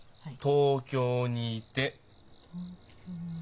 東京にゐて。